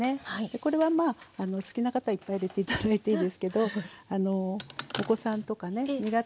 これはまあお好きな方いっぱい入れて頂いていいですけどお子さんとかね苦手な方は入れないでね大丈夫です。